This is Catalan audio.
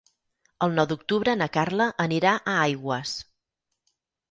El nou d'octubre na Carla anirà a Aigües.